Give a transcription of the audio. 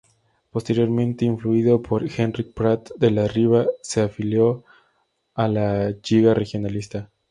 Posteriormente, influido por Enric Prat de la Riba, se afilió a la Lliga Regionalista.